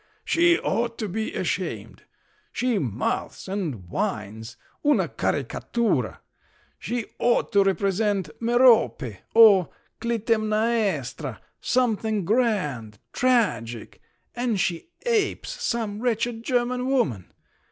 "She ought to be ashamed! She mouths and whines, una caricatura! She ought to represent Merope or Clytemnaestra—something grand, tragic—and she apes some wretched German woman!